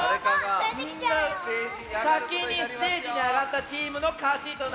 さきにステージにあがったチームのかちとなります。